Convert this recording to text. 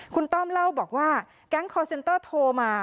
คุณต้อมเล่าบอกว่าแก๊งคอร์เซ็นเตอร์โทรมา